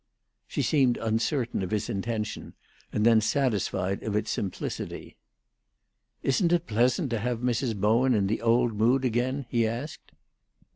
She seemed uncertain of his intention, and then satisfied of its simplicity. "Isn't it pleasant to have Mrs. Bowen in the old mood again?" he asked.